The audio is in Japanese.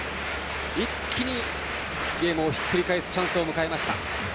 一気にゲームをひっくり返すチャンスを迎えました。